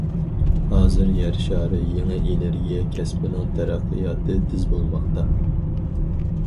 ھازىر يەر شارى يېڭى ئېنېرگىيە كەسپىنىڭ تەرەققىياتى تېز بولماقتا.